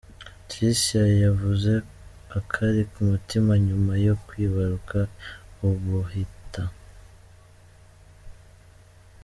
Tricia yavuze akari ku mutima nyuma yo kwibaruka ubuheta .